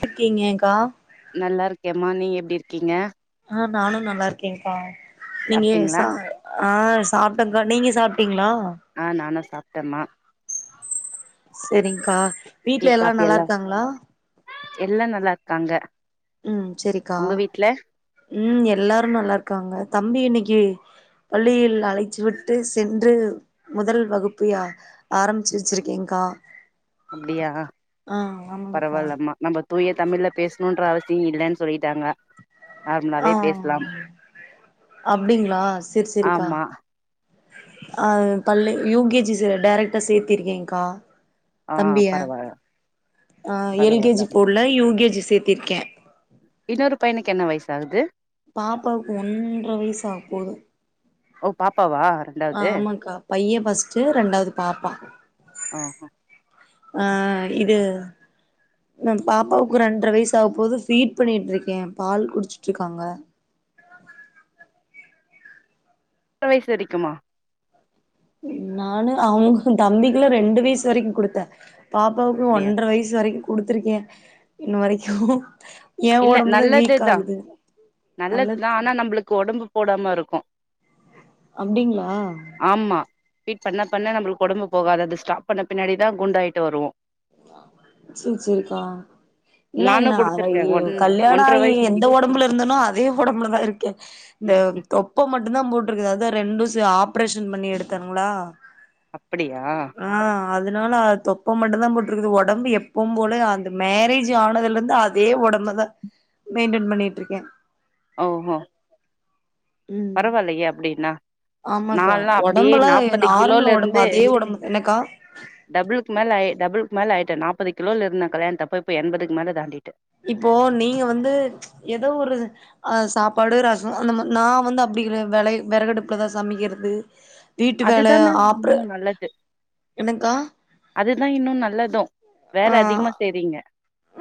டிகீங்கேக்கா நல்லா இருக்கேம்மா நீங்க எப்டி இருக்கீங்க ஆ நானு நல்லார்க்கேங்க்கா நீங்க ஏ சாப்ட்டீங்களா சா ஆ சாப்ட்டங்க்கா நீங்க சாப்ட்டீங்ளா ஆ நானு சாப் ட்டமா செரிங்க்கா வீட்ல எல்லா நல்லார்க்காங்ளா எல்லா நல்லார்க்காங்க ம் செரிக்கா ம் எல்லாரு நல்லார்க்காங்க தம்பி இன்னைக் கி பள்ளியில் அழைச்சு விட்டு சென்று முதல் வகுப்பு அ ஆரம்புச்சு வெச்சிருக்கேங்க்கா அப்டியா பரவால்லமா நம்ப தூய தமிழ்ல பேசணுன்ற அவசியோ இல்லன் சொல்லி ஆ அப்டிங்ளா செரி செரிக்கா ஆமா அஹ் பள்ளு யூ கே ஜி சேர டைரக்டா சேத்திரிக்கேங்க்கா ஆ தம்பிய பரவால்ல ஆ எல் கே ஜி பரவால்லம்மா போடல யூ கே ஜி சேத்தீர்க்கே இன்னொரு பைய்யனுக்கு என்ன வயசு ஆகுது பாப்பாவுக்கு ஒன்ற வயசு ஆகப்போகுது ஓ பாப் ஆ ஆமாங்க்கா பைய்யன் ஃபர்ஸ்ட் ரெண்டாவது பாப்பா ஆ ஆ. ஆஹ் இது நா பாப்பாவுக்கு ரெண்டரை வயசு ஆகபோகுது ஃபீட் பண்ணிட்டு இருக்கே பால் குடிச்சுட்டு இருக்காங்க ரெண்டரை வயசு வரைக்குமா நானு அவனு தம்பிக்கெல்லா ரெண்டு வயசு வரைக்கு குடுத்த பாப்பாவுக்கு அப்டியா ஒன்றரை வயசு வரைக் குடுத்துருக்கே இன்ன வரைக்கு ஏ இல்ல ஒடம்புதா வீக் நல்லதுதா ஆகுது நல்லது நல்லதுதா ஆனா நம்மளுக்கு ஒடம்பு போடாம இருக்கு அப்டிங்ளா ஆமா ஃபீட் பண்ண பண்ண நம்மளுக்கு ஒடம்பு போகாது அது ஸ்டாப் பண்ண பின்னடிதா குண்டாயிட்டு வருவோ சரி சரிக்கா இல்ல நானு நா ஆ குடுத்துருக்கே ஐய்ய ஒன் கல்யாணோ ஒன்ற ஆகி வயசு எந்த வரைக்கு ஒடம்புல இருந்தேனோ அதே ஒடம்புலதா இருக்கே இந்த தொப்ப மட்டுந்தா போட் டுருக்கு அது ரெண்டு ஆப்ரேஷன் பண்ணி எடுத்தாங்ளா அப்பிடியா அதனால தொப்ப மட்டுந்தா போ டுருது ஒடம்பு எப்பவும் போல அந்த மேரேஜ் ஆனதுலந்து அதே ஒடம்பதா மெயின்டெய்ன் பண்ணிட்டு இருக்கே ஒஹோ ம் பரவாயில்லயே அப்டினா நா ஆமாக்கா எல்லா அப்டியே ஒடம்பெல்லா நாற்பது கிலோல நார்மல் ஒடம்பு இருந்து அதே ஒடம்பு என்னக்கா டபுளுக்கு மேல டபுள் மேல ஆயிட்ட நாற்பது கிலோல இருந்த கல்யணத்தப்ப இப்ப எண்பதுக்கு மேல தாண்டிட்ட இப்போ நீங்க வந்து ப்ச் எதோ ஒரு அஹ் சாப்பாடு ரசோ அந்த மா நா வந்து அப்பிடி கெடையாது விளை விறகடுப்புலதா சமைக்கிறது வீட்டு வேல அதுதான ஆப்ற இன்னமு நல்லது என்னங்க்கா அதுதா இன்னு நல்லது வேல அதிகமா செய்றீங்க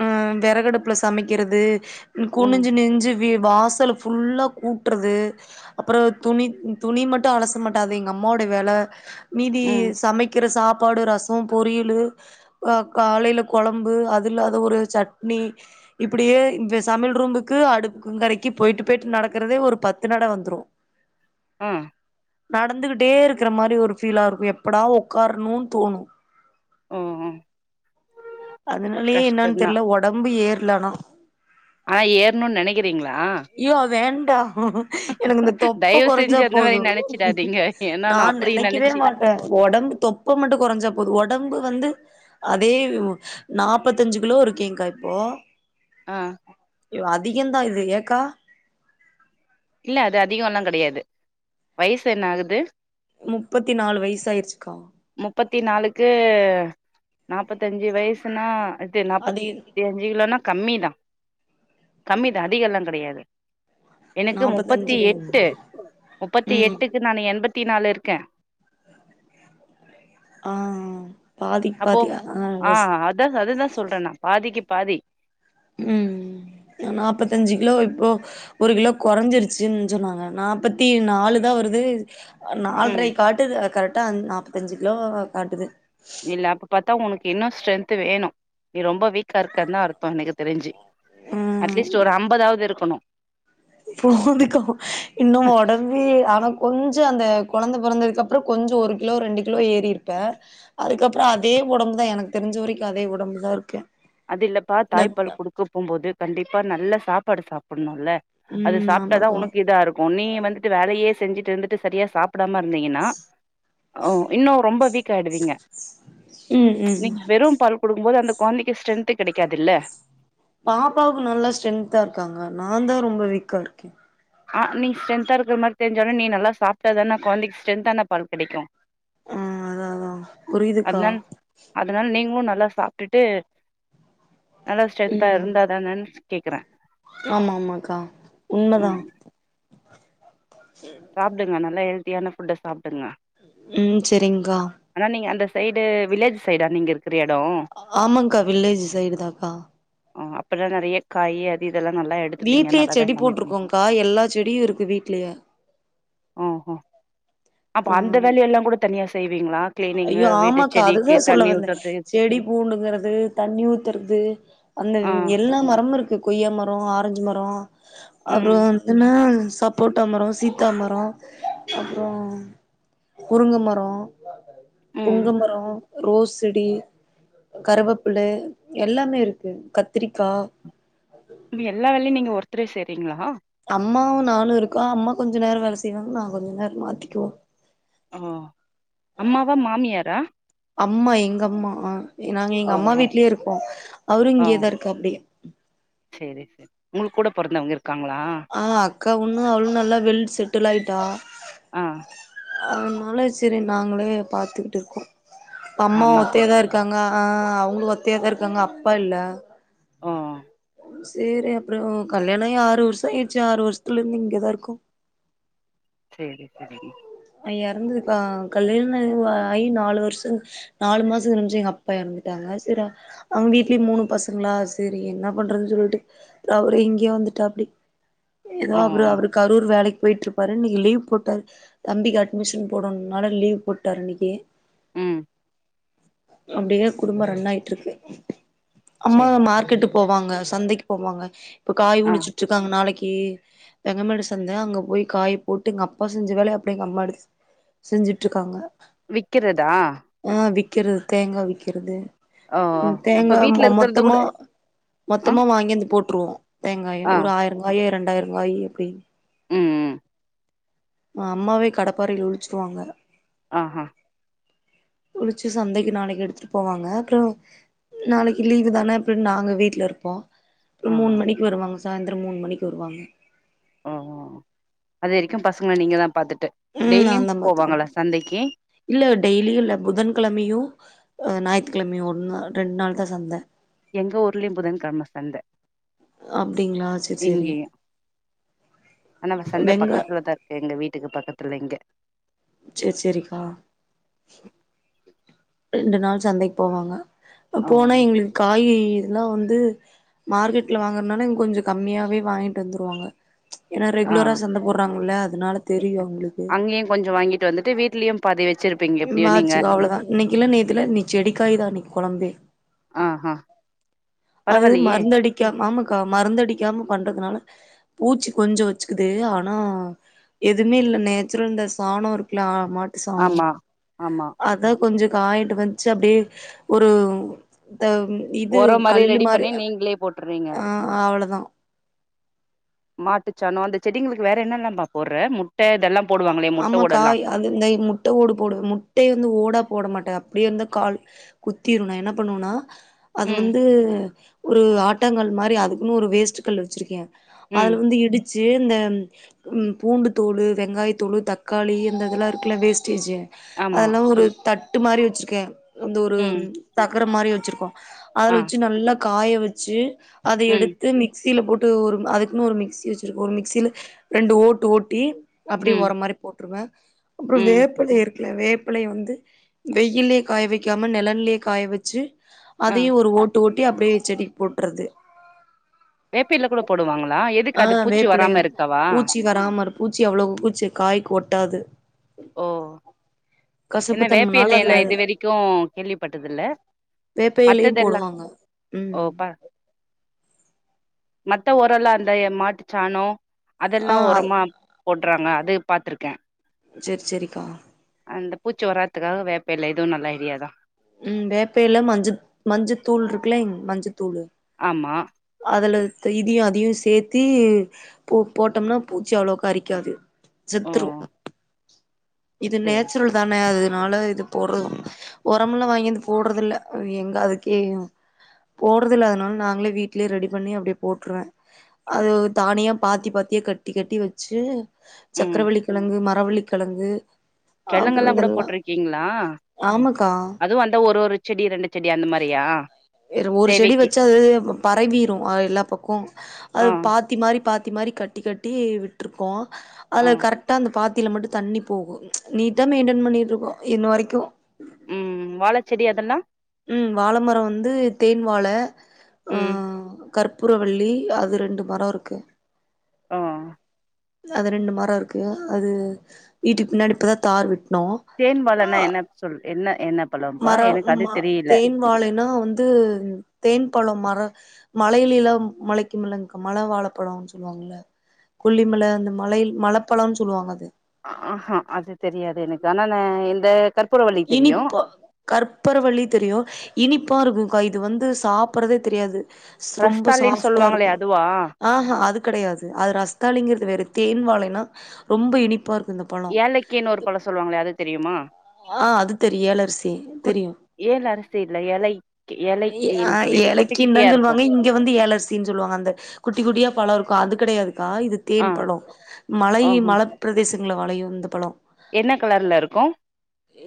ஆஹ் வெறகடுப்புல சமைக்கிறது ம் குனிஞ்சு நெஞ்சு வாசல்ல ஃபுல்லா ஊட்டுறது அப்றோ துணி துணி மட்டும் அலச மாட்டா எங்க அம்மாவோட வேல மீதி ம் சமைக்கிற சாப் சாப்பாடு ரசம் பொரியல் அ காலையில கொழம்பு அது அது இல்லாத ஒரு சட்னி இப்பிடியே சமையல் ரூமுக்கும் அடுங்கரைக்கு போயிட்டு போயிட்டு நடக்கிறதே ஒரு பத்து நட வந்துரும் உம் நடந்துகிட்டே இருக்கிற மாரி ஒரு ஃபீலா இருக்கும் எப்படா உக்காரனு தோணும் உஹ்ஹும் அதனாலயே என்னன்னு தெர்ல ஒடம்பு ஏற் ள்ளனே ஆனா ஏறும்னு நெனைக்கிறேன் ங்களா ட எனக்கு இந்த தொப்பை கொறைஞ்சா செஞ்சு அந்த மாரி போதும் நெனைச்சிடாதீங்க ஏன்னா நா நான் அப்படி நெனைக்கவே நெனைச்சி மாட்டறேன் ஒடம்பு தொப்பை மட்டும் கொறைஞ்சா போதும் ஒடம்பு வந்து அதே நாப்பத்தஞ்சு கிலோ இருக்கேன்கா இப்போ ஆஹ் இய் அதிகம் தான் இது க இல்ல அது அதிகம் எல்லாம் கெடையாது வயசு என்ன ஆகுது முப்பத்தி நாலு வயசாயிடுச்சுக்கா முப்பத்தி நாலுக்கு நாப்பத்தஞ்சு வயசுனா அத்து அதே நாற்பத்தி அஞ்சு கிலோனா கம்மிதான் கம்மி தான் அதிக எல்லாம் கெடையாது எனக்கு முப்பத்தி நாப்பத்தஞ்சு எட்டு முப்பத்தி ம் எட்டுக்கு நான் எண்பத் பத்தி நாலு இருக்கேன் ஆஹ்ஹ் அப்போ ஆஹ் அதான் அதுதான் சொல்றேனா பாதிக்கு பாதி உம் நாப்பத்தஞ்சு கிலோ இப்போ ஒரு கிலோ கொறைஞ்சிருச்சுன்னு சொன்னாங்க நாப்பத்தி நாலு தான் வருது ம் நாலரை காட்டுது அது கரெக்ட் நாப்பத்தஞ்சு கிலோ காட்டுது இல்ல அப்ப பார்த்தா உனக்கு இன்னும் ஸ்ட்ரென்த் வேணும் நீ ரொம்ப வீக்கா இருக்க தான் அர்த்தம் எனக்கு தெரிஞ்சு அட்லீஸ்ட் ஒரு அம்பதாவது இருக்கணும் போதுக்கும் இன்னோ ஒடம்பே ஆனா கொஞ்சோ அந்த கொழந்த பொறந்ததுக்குப்புறோ கொஞ்சோ ஒரு கிலோ ரெண்டு கிலோ ஏறி இருப்பே அதுக்கப் புறோ அதே ஒடம்புதா எனக்கு தெரிஞ்ச வரைக்கோ அதே ஒடம்புதா இருக்கே அது இல்லப்பா இந்த தாய்ப்பால் குடுக்க போகும்போது கண்டிப்பா நல்லா சாப் ப்பாடு சாப்பிட் னோல அது ம் சாப்பிட்தா ஆமாக்கா உனக்கு இதா இருக்கோ நீ வந்துட்டு வேலையே செஞ்சுட்டு வந்துட்டு சரியா சாப் படாம இருந்தீங்கன்னா ஓ இன்னும் ரொம்ப வீக் காயிடுவீங்க ம் ம் நீங்க வெறும் பால் குடுக்கும்போது அந்த கொந்தைக்கோ ஸ்ட்ரென்த்து கெடைக்காதுல பாப்பாவுக்கு நல்லா ஸ்ட்ரென்தா இருக்காங்க நா தா ரொம்ப வீக்கா இருக்கே ஆ நீங்க ஸ்ட்ரென்தா இருக்க மாரிதெரிஞ்சாலு நீ நல்லா சாப்ட்டாதானே கொழந்தைக்கு ஸ்ட்ரென்தான பால் கெடைக்கோ ஆ அதா அதா புரியுதுக்கா அதனால் அதனால நீங்களு நல்லா சாப்ட்டுட்டு நல்லா ஸ்ட்ரென்த்தா ம் இருந்தா தானே கேக்றே ஆமா ஆமாக்கா உண்மதா ம் சாப்டுங்க நல்லா ஹெல் த்தியான ஃபுட்ட சாப் ம் செரிங்கா ஆனா நீங்க அந்த சைடு வில்லேஜ் சைடா நீங்க இருக் ஆமாக்கா வில்லேஜு சைடு தாக்கா இப்பலா நெறைய காய் அது இதெல்லா நல்லா எடுத்துப்பீங்க வீட்லேயே நல்லாதா செடி சமைப்பீங்க போட்ருக்கோகா எல்லா செடியு இருக்கு வீட்லயே ஓஹோ அப்ப அந்த ம் வேலயெல்லா கூட தனியா செய்வீங்களா கிளீனிங்கு ஐயோ வீட்டு ஆமாக்கா அதுதா செடிக்கு சொல்ல தண்ணி வந்தே ஊத்துறது செடி பூண்டுங்குறது தண்ணி ஊத்தறது அந்த ஆ எல்லா மரமு இருக் கொய்யா மரோ ஆரஞ்சு மரோ அப்றோ ம் [unintelligible] சப்போட்டா மரோ சீத்தா மரோ அப்றோ குருங்கு மரோ ம் புங்கமரோ ரோஸ்செடி கருவேப்பில்லை எல்லாமே இருக்கு கத்ரிக்கா இங்கு எல்லா வேலையு நீங்க ஒர்த்தரே செய் ரிங்ளா அம்மாவு நானு இருக்கோ அம்மா கொஞ்ச நேர வேல செய்வாங்க நா கொஞ்ச நேர மாத்திக்குவே ஓ அம்மாவா மாமியாரா அம்மா எங்கம்மா ஆஹ் நாங்க ஓ எங்கம்மா ஓ வீட்லே இருக்கோ அவரு ஓ இங்கேதா இருக்காப்டி சேரி உங்க கூட பொறந்தவ்ங்க இருக் காங்ளா ஆ அக்கா ஒன்னு அவளு நல்லா வெல் செட்டில் ஆயிட்டா ஆஹ் அதனால செரி நாங்களே பாத்துக்கிட்டு இருக்கோ அம்மா ஒத்தையதா இருக்காங்க ஆஹ் அவ்ங்களு ஒத்தயா தா இருக்காங்க அப்பா இல்ல ஆஹ் சேரி அப்றோ கல்யாண ஆகி ஆறு வர்ஷ ஆயிர்ச்சு ஆறு வர்ஷத்துலருந்து இங்கதா இருக்கோ செரி செரிங்க அஹ் எறந்துட்டாங் கல்யாண்னாகி ஆயி நாலு வர்ஷம் நாலு மாச முடிஞ்சு எங்க அப்பா எறந்துட்டாங்க செரி அவ்ங்க வீட்லயு மூணு பசங்களா செரி என்ன பண்றதுன் சொல்லிட்டு அவரு இங்கெ வந்துட்டாப்டி எதோ ஓ அப்டி அவரு கரூர் வேலைக் போயிட்ருப்பாரு இன்னக்கி லீவ் போட் டு தம்பிக்கு அட்மிஷன் போடனுனால லீவ் போட்டாரு இன்னக்கி உம் அப்டியே குடும்ப ரன் ஆயிட்ருக்கு அம்மாவா சேரி மார்க்கெட்டு் போவாங் க சந்தைக்கு போவாங்க இப்ப காய் ஆ உழிச்சுட்டு இருக்காங்க நாளைக்கு கி வெங்கமேடு சந்த அங்க போய் காய போட்டுங்கப் ப்பா செஞ்ச வேலய அப்டே எங்க அம்மா எடுத்து செஞ்சுட்டுருக்காங்க விக்கிறதா கிறது தேங்கா விக்கிறது ஓ உம் அப்ப தேங்காய் மொ வீட்ல இருக்கறது மொத்தமா கூட ஆ மொத்தமா வாங்கி வந்து போட்டு ப்றோ தேங்காயு ஆ ஒரு ஆயிரங்காயி ரெண்டாயிரங்காயு எப்டி உம் உம் அஹ் அம்மாவே கடப்பாறைல உழிச்சிருவாங்க ஆஹ் ஹா உழிச்சு சந்தைக்கு நாளைக்கு எடுத்துட்டு போவாங்க அப்றோ நாளைக்கு லீவு தானே அப்டின் நாங்க வீட்ல இருப்போ ஆ அப்ற மூணு மணிக்கு வருவாங்க சாய்ந்திரம் மூணு மணிக்கு வருவாங்க அதுவரைக்கு பசங்கள நீங்கதா பாத்துட் ம் நான்தா பாத்துக்கனு இல்ல டெய்லியு இல்ல புதன்கெழமையு அ ஞாயித்துக்கெழமையு ஒண்ணு ரெண்டு நாள் தா சந்த எங்க ஊர்லயு புதன்கெழம சந்த அப்டிங்களா சேரி சேரி இங்கயு ஆனா சந்த வெங்க பக்கத்துலதா இருக்கு எங்க வீட்டுக்கு பக்கத் ட்லைங்க செரி செரிக்கா ரெண்டு நாள் சந்தைக்கு போவாங்க ஆ போனா எங்களுக்கு காய் எல்லா வந்து மார்க்கெட்ல வாங்கறனால இவங்க கொஞ்சோ கம்மியாவே வாங்கிட்டு வந்துருவாங்க ஏன்னா ஆ ரெகுலரா சந்தை போட்றாங்கல்ல அதனால தெரியு அவங்களுக்கு அங்கேயு கொஞ்சோ வாங்கிட்டு வந்துட்டு வீட்லயு பாதி வச்சிருப்பீங்க ம் எப்டியு நீங்க ஆச்சிக்கா அவ்வளதா இன்னைக்கி இல்ல நேத்து இல்ல இங்க செடிக்காய்தா இன்னக்கி கொழம்பே ஆஹா அது பரவாயில்லயே மருந்தடிக்காம ஆமாக்கா மருந்தடிக்காம பண் றதனால பூச்சி கொஞ்சோ வச்சுக்குது ஆனா எதுமே இல்ல நேச்சுரல் இந்த சாணோ இருக்குல மா சாணோ ஆமா ஆமா அதா கொஞ்சோ காயிட்டு வந்துச்சி அப்டியே ஒரு த இது ஒரோ கல்லு ரெடி மாரி பண்ணி நீங்களே போட்டுறீங்க ஆ அவ்வளதா மாட்டுச்சாணோ அந்த செடிங்களுக்கு வேற என்னெல்லாம்ப்பா போட்ற முட் ஆமாக்கா அது அந்த முட்ட ஓடு போடுவே முட்டைய வந்து ஓடா போட மாட்ட அப்படியே வந்தா கால் குத்திரு நா என்ன பண்ணுவன்னா அது ம் வந்து ஒரு ஆட்டங்கால் மாரி அது க்குனு ஒரு வேஸ்ட் கல் வச்சிருக்கே ம் அதுல வந்து இடிச் சி இந்த பூண்டு தோலு வெங்காய தோலு தக்காளி அந்த இதெல்லா இருக்குல வேஸ்ட் ட்டேஜி ஆமா அதெல்லா ஒரு த ட்டு மாரி வச்சிருக்கே அந்த ஒரு ம் தகரம் மாரி வச்சிருக்கோ ஆ அதுல வச்சு நல்லா காய வச்சு அத ம் எடுத்து மிக்ஸ் க்சில போட்டு ஒரு அதுக்குன்னு ஒரு மிக்ஸ்சி வச்சிருக்க ஒரு மிக்ஸ்சில ரெண்டு ஓட்டு ஓட்டி அப்படி ம் ஓர மாரி போட்டுருவே ஆ அப்புறோ ம் வேப்பல இருக்கு வேப்பிலைய வந்து வெயிலயே காய வைக்காம நெலல்லேயே காய வச்சு ஆ அதையு ஒரு ஓட்டு ஓட் சுட்டி அப்படியே செடிக்கு போட்டுறது வேப்பில கூட போடுவாங்களா எதுக்கு அது பூச்சி வேப்பிலைய வராம இருக்காவா பூச்சி வராம இரு பூச்சி அவ்வளோ பூ பூச்சி காய்க்கு ஒட்டாது ஓ என்ன வேப்ப கசப்புத்தன்மனால எலைய நா அதுல இது வரைக்கு கேள்விப்பட்டதில்ல வேப்ப இலையு மத்ததெல்லா போடுவாங்க ஓ ம் பா மத்த ஒரல்லா அந்த ஏ மாட்டுச்சாணோ அதெல்லா ஆ ஒரமா போட்றாங்க டு பாத்திருக்கே செரி செரிக்கா அந்தப் பூச்சி வர்றாதுக்காக வேப்பெல இதுவு நல்ல ஐடியாதா உம் வேப்பேல்ல மஞ்ச மஞ்சத்தூள் இருக்குலைங் மஞ்ச தூளு ஆமா அதுல த இதியு அதியு சேத்தி போ போட்டம்னா பூச்சி அவ்ளோக்க அரிக்காது ஓ செத்துரு இது சேரி நேச்சுரல் தான அது னால இது போடுற ஒரம்ல வாங்கி அது போடுறதில்ல எங்க அதுக்கே போடுறதுல அதுனால நாங்ளே வீட்லே ரெடி பண்ணி அப்டியே போட்டுருவ அது தானியா பாத்தி பாத்தியா கட்டி கட்டி வச்சு ம் சக்கரவள்ளி கிழங்கு ம ரவள்ளிக்கெழங்கு கெழங்கெல்லா கூட போட்ருக்கீங்ளா ஆமாக்கா அதுவு வந்த ஒரு ஒரு செடி ரெண்டு செடி அந்த மாரியா வேற ஒரு செடி தேவைக்கு வச்சா அது பரவிரு அது எல்லா பக்கோ அது ஆ பாத்தி மாரி பாத் து மாரி கட்டி கட்டி விட்ருகோ ஆ அதல கரெக்டா அந்த பாத் தில மட்டு தண்ணி போகு நீட்டா மெய்ன்டென் பண்ணிகிட்ருக்கோ இன்னு வரைக்கு ம் வாழச்செடி அதெல்லா ம் வாழ மரோ வந்து தேன் வாழ உம் கற்பூர வள்ளி அது ரெண்டு மொரோ இருக்கு ஆ அது ரெண்டு மர இருக்கு அது வீட்டுக் பின்னாடி இப்பதா தார் விட் தேன் வாழனா என்ன சொல்லு என்ன என்ன பழம்ப்பா மரோ எனக்கு அது மா தெரியல தேன் வாழைனா வந்து தேன் பழோ மர மலைலிலாம் மொளைக்கும் இல்லங்கா மழ வாழப்பழோன் சொல்லுவாங்குல கொல்லிமல அந்த மலை மலப்பழோன் சொல்லுவாங்க அது ஆஹ் ஹா அது தெரியாது எனக்கு ஆனா நா இந்த கற்பூரவள்ளி தெரியு இனிப்பா கற்பரவள்ளி தெரியு இனிப்பா இருக்கு கா இது வந்து சாப்பறதே தெரியாது ரொம்ப ரஸ்தாளின்னு சாஃப்ட்டா சொல்லுவாங்களே இருக்கு அதுவா ஆஹ் ஹா அது கெடயாது அது ரஸ்தாளிங்கிற்து வேற தேன் வாழைனா ரொம்ப இனிப்பா இரு ஏழக்கி இன்னொரு ஒரு பழ சொல்லுவாங்களோ அது தெரியுமா ஆஹ் அது தெரிய ஏலசி குட் தெரியும் ஏல அரிசி இல்ல ஏலை இ அ ஏலைக்கின்னு ஆஹ் சொல்லிட்டு குட்டி ஏலக்கி குட்டியா தன் இருக்கு சொல்லுவாங்க இங்க வந்து ஏலரிசின்னு சொல்லுவாங்க அந்த குட்டி குட்டியா பழ இருக்கும் அது கிடையாது காய் இது ஆ தேன் பழம் மலை ஓஹோ மல பிரதேச இல்ல வளையும் இந்த பழம் என்ன கலர்ல இருக்கும்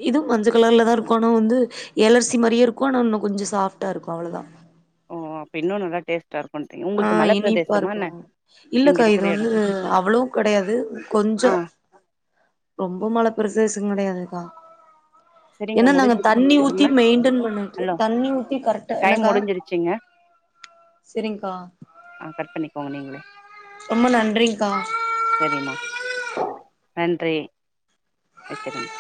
இதுவும் மஞ்சள் கலர்ல தான் இருக்கும் ஆனா வந்து இலர்சி மாதிரியே இருக்கும் ஆனா இன்னு கொஞ்ச சாஃப்ட்டா இருக்கும் அவ்வளவுதான் ஓ இன்னு நல்லா டேஸ் ஆஹ் இனிப்பா இருக்கும் நீங்க இல்லக்கா இது இருக்கிற எடோ வந்து அவ்வளவு கிடையாது கொஞ்ச ஆ ரொம்ப மல பிரசேசம் கிடையாதுக்கா சரிங்க ஏன்னா நாங்க முடிஞ்சிருச்சு தண்ணி ஊத்தி டைமு மெயின்டன் பண்ணிட்டு ஹலோ தண்ணி ஊத்தி கரெக்டா டைம் என்னக்கா சேரிங் ஆஹ் கட் பண்ணு போங்க நீங்களே ரொம்ப நன்றிங்கா சரிம்மா நன்றி வச்சுடுங்க